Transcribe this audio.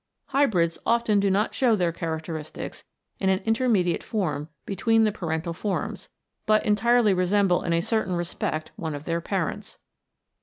Hybrids often do not show their characteristics in an intermediate form between the parental forms, but entirely resemble in a certain respect one of their parents.